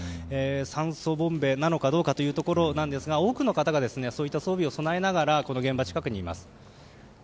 酸素ボンベなのかどうかというところなんですが多くの方がそういった装備を備えながら現場近くにいます。